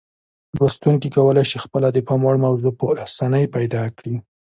لوستونکي کولای شي خپله د پام وړ موضوع په اسانۍ پیدا کړي.